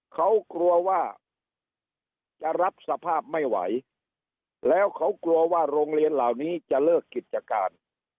เขากลัวว่าจะรับสภาพไม่ไหวแล้วเขากลัวว่าโรงเรียนเหล่านี้จะเลิกกิจการ